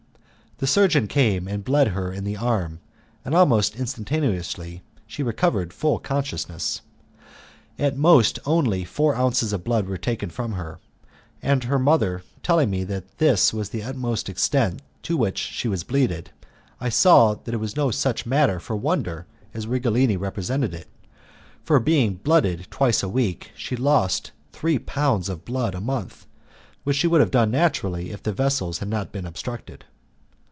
The surgeon came and bled her in the arm, and almost instantaneously she recovered full consciousness. At most only four ounces of blood were taken from her, and her mother telling me that this was the utmost extent to which she was blooded, I saw it was no such matter for wonder as Righelini represented it, for being blooded twice a week she lost three pounds of blood a month, which she would have done naturally if the vessels had not been obstructed.